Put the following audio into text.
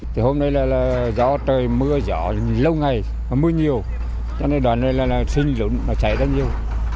thì hôm nay là do trời mưa dwind dọc lâu ngày mưa nhiều cho nên đợt này làasean lún nó chảy ra nhiều